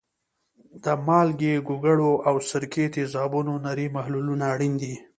د مالګې، ګوګړو او سرکې تیزابونو نری محلولونه اړین دي.